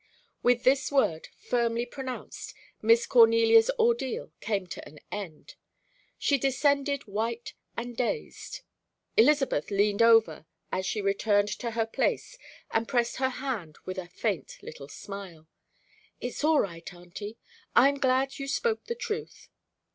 With this word, firmly pronounced, Miss Cornelia's ordeal came to an end; she descended white and dazed. Elizabeth leaned over as she returned to her place and pressed her hand with a faint little smile. "It's all right, auntie, I'm glad you spoke the truth."